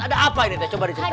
ada apa ini coba diceritakan